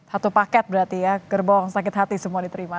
satu paket berarti ya gerbong sakit hati semua diterima